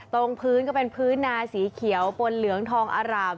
ตรงพื้นก็เป็นพื้นนาสีเขียวบนเหลืองทองอร่าม